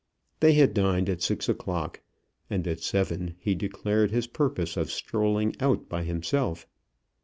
They had dined at six o'clock, and at seven he declared his purpose of strolling out by himself.